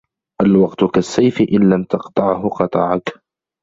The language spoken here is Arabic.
الوقت كالسيف ان لم تقطعه قطعك